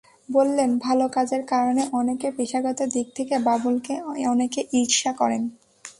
বললেন, ভালো কাজের কারণে অনেকে পেশাগত দিক থেকে বাবুলকে অনেকে ঈর্ষা করেন।